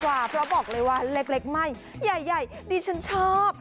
เพราะบอกเลยว่าเล็กไม่ใหญ่ดิฉันชอบ